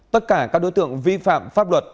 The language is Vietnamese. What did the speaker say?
tất cả các đối tượng vi phạm pháp luật